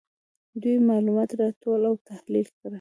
دوی معلومات راټول او تحلیل کړل.